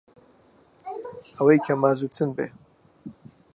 ئەوەی کە مازوو چن بێ